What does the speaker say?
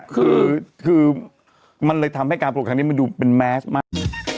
คือมันเลยทำให้การปลูกครั้งนี้มันดูเป็นแมสมาก